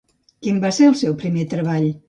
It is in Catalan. Quin va ser el seu primer treball?